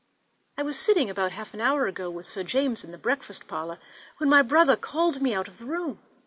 I was sitting about half an hour ago with Sir James in the breakfast parlour, when my brother called me out of the room.